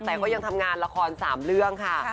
แต่ก็ยังทำงานละคร๓เรื่องค่ะ